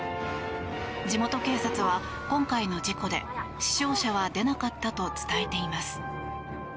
地元警察は、今回の事故で死傷者は出なかったと伝えています。